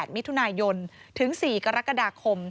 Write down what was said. มิถุนายนถึง๔กรกฎาคม